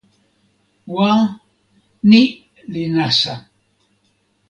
wa, ni li nasa.